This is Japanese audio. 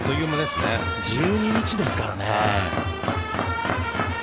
１２日ですからね。